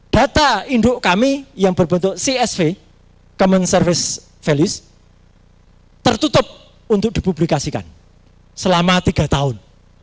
data induk kami yang berbentuk csv common service values tertutup untuk dipublikasikan selama tiga tahun